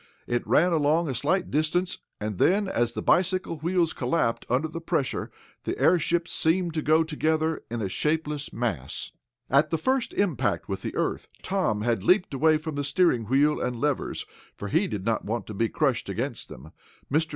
It ran along a slight distance, and then, as the bicycle wheels collapsed under the pressure, the airship seemed to go together in a shapeless mass. At the first impact with the earth, Tom had leaped away from the steering wheel and levers, for he did not want to be crushed against them. Mr.